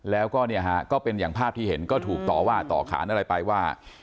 แล้วก็เนี่ยฮะก็เป็นอย่างภาพที่เห็นก็ถูกต่อว่าต่อขานอะไรไปว่า